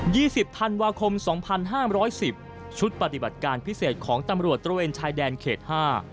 สิบธันวาคมสองพันห้ามร้อยสิบชุดปฏิบัติการพิเศษของตำรวจตระเวนชายแดนเขตห้า